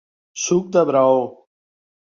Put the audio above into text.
Suc de braó.